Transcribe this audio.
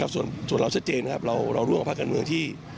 ส่วนเราชัดเจนนะครับเราร่วมกับภาคการเมืองที่